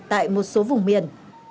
tại một số vùng miền